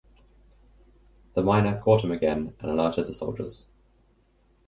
The myna caught him again and alerted the soldiers.